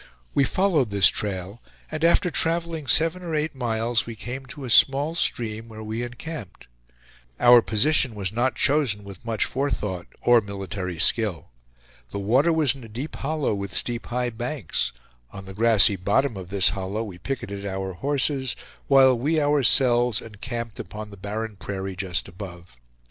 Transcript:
We followed this trail, and after traveling seven or eight miles, we came to a small stream, where we encamped. Our position was not chosen with much forethought or military skill. The water was in a deep hollow, with steep, high banks; on the grassy bottom of this hollow we picketed our horses, while we ourselves encamped upon the barren prairie just above.